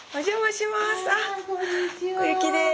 小雪です。